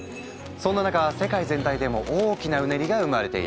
そんな中世界全体でも大きなうねりが生まれている。